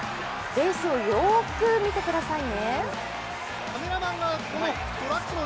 レースをよく見てくださいね。